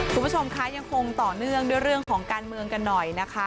คุณผู้ชมคะยังคงต่อเนื่องด้วยเรื่องของการเมืองกันหน่อยนะคะ